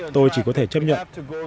tôi chỉ có thể chấp nhận